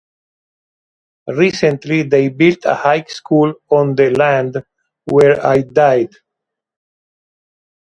Recently they built a high school on the land where I died.